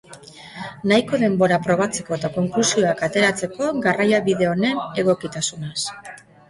Nahiko denbora probatzeko eta konklusioak ateratzeko garraiabide honen egokitasunaz.